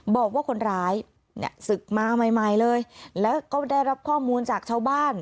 บอกว่าคนร้ายเนี่ยศึกมาใหม่เลยแล้วก็ได้รับข้อมูลจากชาวบ้าน